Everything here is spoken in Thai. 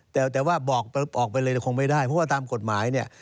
แต่ว่าบอกออกไปเลยคงไม่ได้เพราะว่าตามกฎหมายเนี่ย